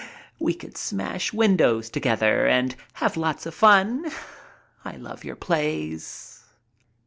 We could smash windows together and have lots of fun. I love your plays."